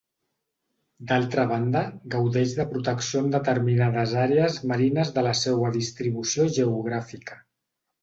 D'altra banda, gaudeix de protecció en determinades àrees marines de la seua distribució geogràfica.